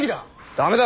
駄目だ。